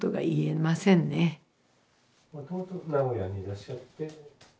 もともと名古屋にいらっしゃって。